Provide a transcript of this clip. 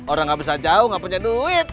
orang nggak bisa jauh nggak punya duit